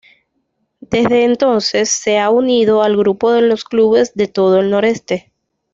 Desde entonces se ha unido al grupo en los clubes de todo el noreste.